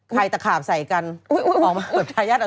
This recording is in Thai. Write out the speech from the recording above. ใครตะขาบใส่กันออกมาอุ๊ย